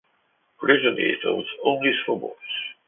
Originally it was only for boys.